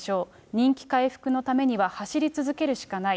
人気回復のためには走り続けるしかない。